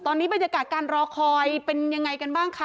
ตอนนี้บรรยากาศการรอคอยเป็นยังไงกันบ้างคะ